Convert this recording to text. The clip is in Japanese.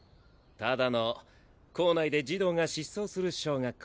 ただの校内で児童が失踪する小学校。